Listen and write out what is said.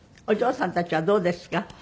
お嬢さんたちはどうですか？